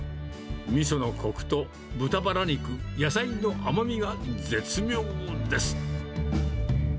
みそのこくと、豚バラ肉、野菜の甘みが絶妙です。